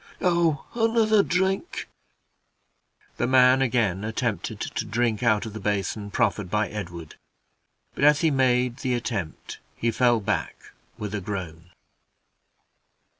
Oh! another drink!" The man again attempted to drink out of the basin proffered by Edward, but as he made the attempt, he fell back with a groan.